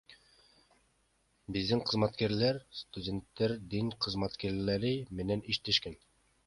Биздин кызматкерлер студенттер, дин кызматкерлери менен иштешкен.